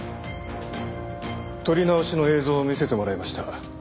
撮り直しの映像を見せてもらいました。